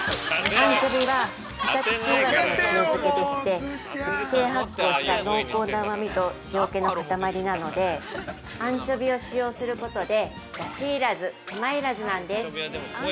アンチョビはカタクチイワシの塩漬けでして熟成発酵した濃厚なうまみと塩気の固まりなのでアンチョビを使用することでだし要らず、手間いらずなんです。